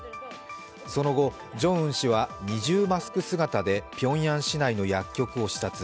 その後、ジョンウン氏は二重マスク姿でピョンヤン市内の薬局を視察。